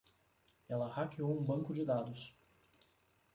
Ela hackeou um banco de dados.